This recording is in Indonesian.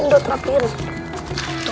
tunggu aku cari dulu ya